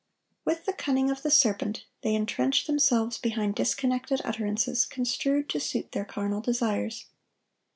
With the cunning of the serpent, they entrench themselves behind disconnected utterances construed to suit their carnal desires.